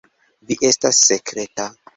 Vi estas sekreta.